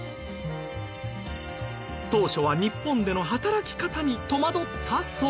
当初は日本での働き方に戸惑ったそう。